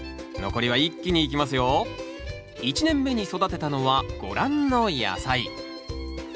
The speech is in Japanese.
１年目に育てたのはご覧の野菜。